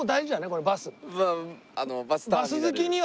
これバス。